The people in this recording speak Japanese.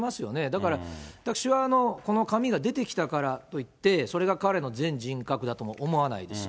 だから、私はこの紙が出てきたからといって、それが彼の全人格だとも思わないです。